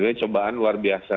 ini cobaan luar biasa